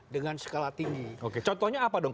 dengan skala tinggi oke contohnya apa dong